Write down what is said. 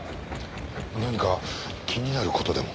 何か気になる事でも？